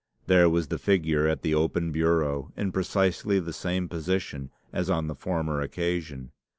There was the figure at the open bureau, in precisely the same position as on the former occasion.